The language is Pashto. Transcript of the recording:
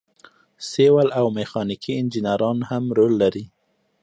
سیول او میخانیکي انجینران هم رول لري.